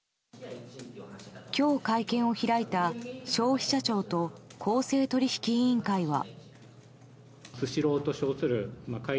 今日会見を開いた消費者庁と公正取引委員会は。